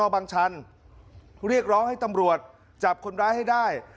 บางชันเรียกร้องให้ตำรวจจับคนร้ายให้ได้